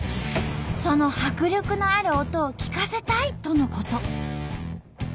その迫力のある音を聞かせたいとのこと。